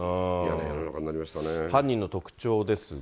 犯人の特徴ですが。